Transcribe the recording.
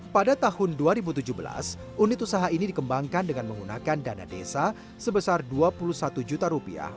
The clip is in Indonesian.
pada tahun dua ribu tujuh belas unit usaha ini dikembangkan dengan menggunakan dana desa sebesar rp dua puluh satu juta rupiah